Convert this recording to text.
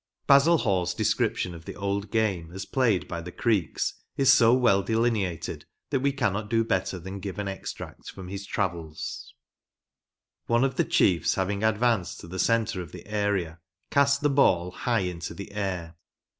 Basil Hall's description of the old game, as played by the Creeks, is so well delineated that we cannot do better than give an extract from his travels : ‚ÄĒ " One of the chiefs, having advanced to the centre of the area, cast the ball high in the air.